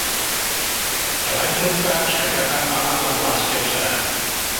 Тыгай трубка шергакан тамаклан лач келша.